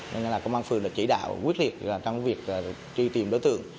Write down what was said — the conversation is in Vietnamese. nên công an phường chỉ đạo quyết liệt trong việc truy tìm đối tượng